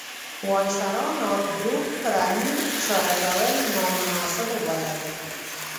وایسرا نارت بروک پر امیر فشار اچول نامناسب وبلل.